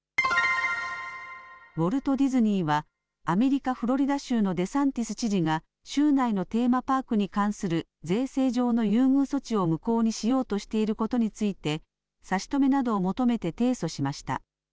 ウォルト・ディズニーはアメリカ、フロリダ州のデサンティス知事が州内のテーマパークに関する税制上の優遇措置を無効にしようとしていることについて差し止めなどを求めて提訴しました。